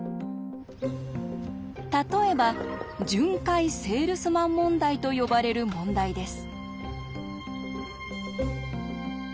例えば「巡回セールスマン問題」と呼ばれる問題です。